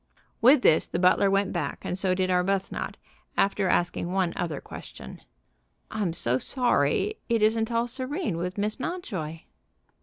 With this the butler went back, and so did Arbuthnot, after asking one other question: "I'm so sorry it isn't all serene with Miss Mountjoy?"